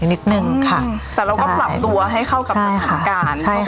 นิดนึงค่ะแต่เราก็ปรับตัวให้เข้ากับใช่ค่ะของการใช่ค่ะ